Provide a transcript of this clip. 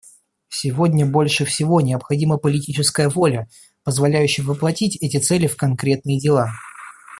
Сегодня больше всего необходима политическая воля, позволяющая воплотить эти цели в конкретные дела.